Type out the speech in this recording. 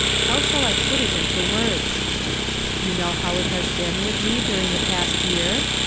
IIou' shall I put it into words? Von know how it has been with me during the past year?